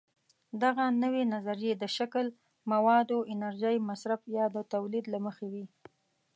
دغه نوې نظریې د شکل، موادو، انرژۍ مصرف یا د تولید له مخې وي.